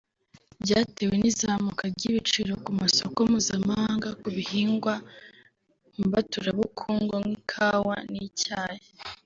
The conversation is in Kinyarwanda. byatewe n'izamuka ry'ibiciro ku masoko mpuzamahanga ku bihingwa mbaturabukungu nk'ikawa n'icyayi